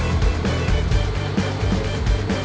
kenapa gak kamu telepon